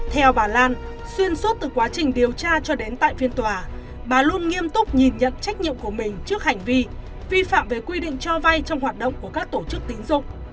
theo bà lan xuyên suốt từ quá trình điều tra cho đến tại phiên tòa bà luôn nghiêm túc nhìn nhận trách nhiệm của mình trước hành vi vi phạm về quy định cho vay trong hoạt động của các tổ chức tín dụng